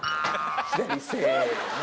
左せの。